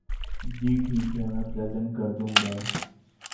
جی ٹھیک ہے میں پریزینٹ کردوں گا۔